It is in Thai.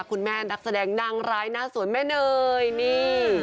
นักแสดงนางร้ายหน้าสวยแม่เนยนี่